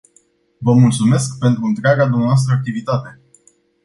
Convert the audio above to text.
Vă mulțumesc pentru întreaga dvs. activitate.